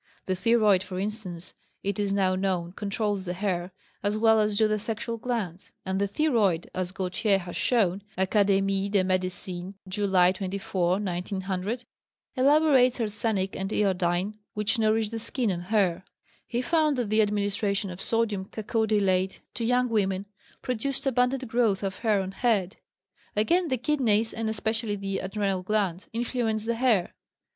The thyroid, for instance, it is now known, controls the hair, as well as do the sexual glands; and the thyroid, as Gautier has shown (Académie de Médecine, July 24, 1900) elaborates arsenic and iodine, which nourish the skin and hair; he found that the administration of sodium cacodylate to young women produced abundant growth of hair on head. Again, the kidneys, and especially the adrenal glands, influence the hair.